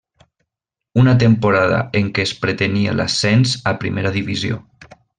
Una temporada en què es pretenia l'ascens a primera divisió.